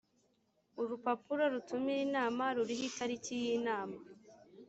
urupapuro rutumira inama ruriho itariki y inama .